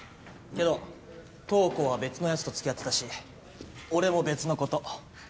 けど燈子は別のヤツとつきあってたし俺も別の子と。